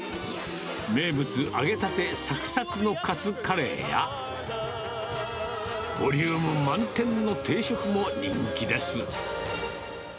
名物、揚げたて、さくさくのカツカレーや、ボリューム満点の定食も人気です。